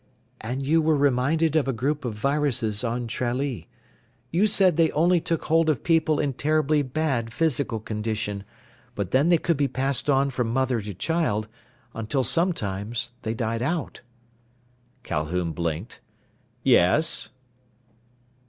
"And you were reminded of a group of viruses on Tralee. You said they only took hold of people in terribly bad physical condition, but then they could be passed on from mother to child, until sometimes they died out." Calhoun blinked. "Yes?"